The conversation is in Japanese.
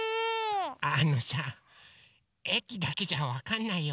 あのさえきだけじゃわかんないよ。